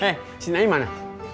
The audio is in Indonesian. hei si naim mana